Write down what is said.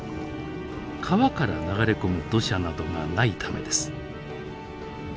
川から流れ込む土砂などがないためです。